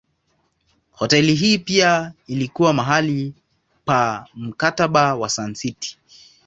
Hoteli hii pia ilikuwa mahali pa Mkataba wa Sun City.